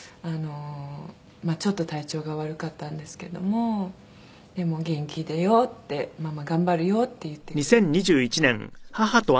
まあちょっと体調が悪かったんですけどもでも「元気だよ」って「ママ頑張るよ」って言ってくれてたので。